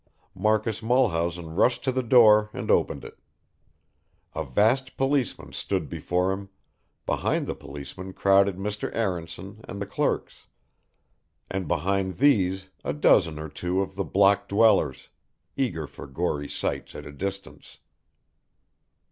Marcus Mulhausen rushed to the door and opened it. A vast policeman stood before him, behind the policeman crowded Mr. Aaronson and the clerks, and behind these a dozen or two of the block dwellers, eager for gory sights at a distance.